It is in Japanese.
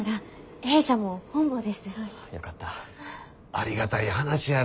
ありがたい話やろ。